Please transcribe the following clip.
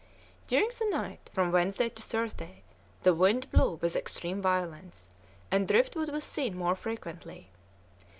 During the night, from Wednesday to Thursday, the wind blew with extreme violence, and driftwood was seen more frequently.